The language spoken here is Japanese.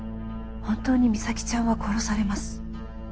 本当に実咲ちゃんは殺されます